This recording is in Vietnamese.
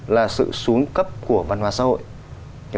là sự xuống cấp của văn hóa xã hội